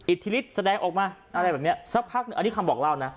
อิทธิฤทธิแสดงออกมาอะไรแบบนี้สักพักหนึ่งอันนี้คำบอกเล่านะ